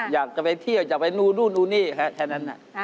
อยากจะไปเที่ยวอยากไปนู่นดูนี่แค่นั้น